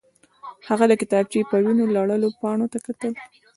هغه د کتابچې په وینو لړلو پاڼو ته کتل